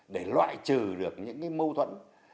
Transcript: để loại trừ được những cái mâu thuẫn